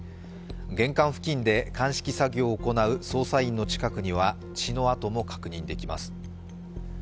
玄関付近で鑑識作業を行う捜査員の近くには血の跡も確認できます。